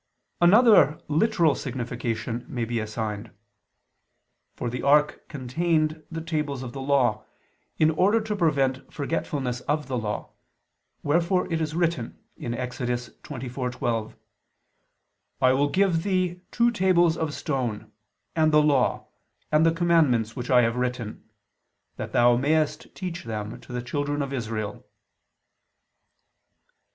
Another literal signification may be assigned. For the ark contained the tables of the Law, in order to prevent forgetfulness of the Law, wherefore it is written (Ex. 24:12): "I will give thee two tables of stone, and the Law, and the commandments which I have written: that thou mayest teach them" to the children of Israel.